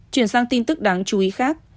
chuyển sang tin tức đáng chú ý khác